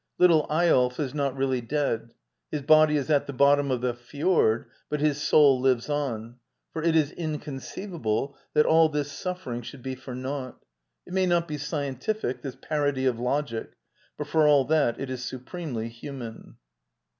LittI e ~JEy6p^ i^ His body is at thelbottom of the fjord, but his soul lives on, for it is inconceivable that all this suffering should be for naught. It may not be ^scientific, this parody ^ of logic, but for all that it is supremely human.